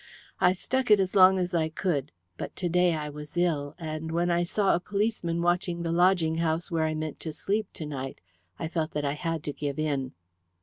I stuck it as long as I could, but to day I was ill, and when I saw a policeman watching the lodging house where I meant to sleep to night I felt that I had to give in."